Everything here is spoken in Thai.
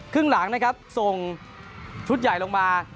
ครึ่งหลังนะครับส่งชุดใหญ่ลงมา